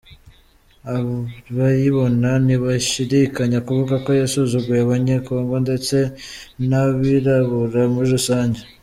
Abayibona ntibashidikanya kuvuga ko yasuzuguye Abanyekongo ndetse n’abirabura muri rusange.